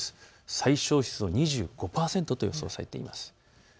最小湿度２５％と予想されています。